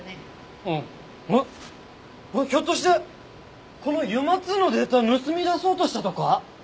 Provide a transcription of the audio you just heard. えっひょっとしてこのＵＭＡ−Ⅱのデータ盗み出そうとしたとか？